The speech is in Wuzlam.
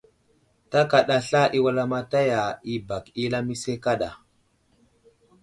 Ta kaɗa sla i wulamataya i bak i lamise kaɗa.